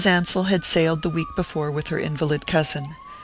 Ansell had sailed the week before with her invalid cousin.